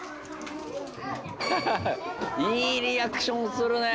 いいリアクションするね！